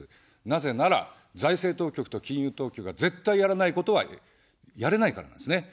なぜなら、財政当局と金融当局が絶対やらないことはやれないからなんですね。